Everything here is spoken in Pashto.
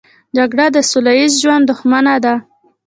جګړه د سوله ییز ژوند دښمنه ده